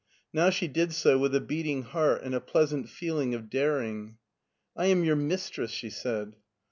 Now she did so with a beating heart and a pleasant feeling of daring. " I am your mistress," she said.